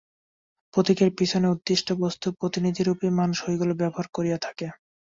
প্রতীকের পিছনে উদ্দিষ্ট বস্তুর প্রতিনিধিরূপেই মানুষ ঐগুলি ব্যবহার করিয়া থাকে।